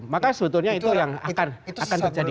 maka sebetulnya itu yang akan terjadi